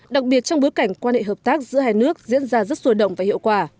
đặc biệt trong bối cảnh quan hệ hợp tác giữa hai nước diễn ra rất sôi động và hiệu quả